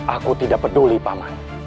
aku tidak peduli paman